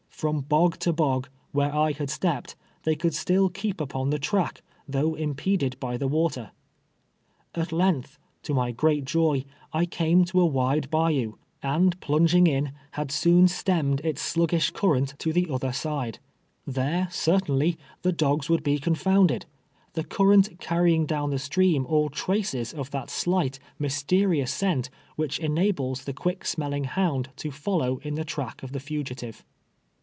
From bog to l>og, where I had stepped, they could still keep uj^on the track, though impeded by the Avater. At length, to my great joy, I came to a wide ];ayou, and plung I EEACir THE WATEE. 139 ing in, had soon stonnncd its slnggish current to the otlier side. Tlicre, certainly, the dogs wouhl he con fonndcd — the current carrying down the stream all traces of that slight, mysterious scent, which enables the qnick smelling hound to follow in the track of the fugitive.